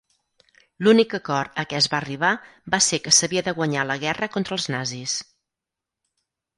L'únic acord a què es va arribar va ser que s'havia de guanyar la guerra contra els nazis.